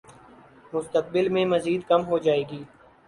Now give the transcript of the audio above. مستقبل میں مزید کم ہو جائے گی